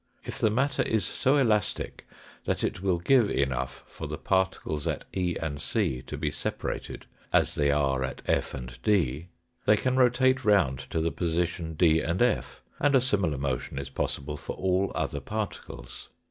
If the matter is so elastic that it will give enough for the particles at E and c to be separated as they are at F and D, they can rotate round to the position D and F, and a similar motion is possible for all other particles.